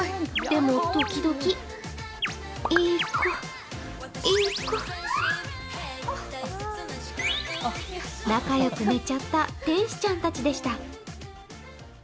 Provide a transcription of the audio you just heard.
でも、時々仲良く寝ちゃった天使ちゃんたちでした。